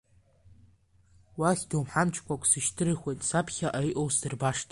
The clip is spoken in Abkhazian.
Уахь доуҳамчқәак сышьҭырхуеит, саԥхьаҟа иҟоу сдырбашт.